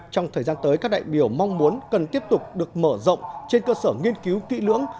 trong thời gian tới các đại biểu mong muốn cần tiếp tục được mở rộng trên cơ sở nghiên cứu kỹ lưỡng